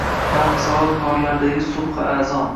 Bamisoli qorlardagi subhi azon